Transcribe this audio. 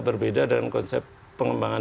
berbeda dengan konsep pengembangan